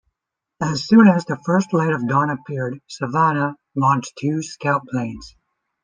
As soon as the first light of dawn appeared, "Savannah" launched two scout planes.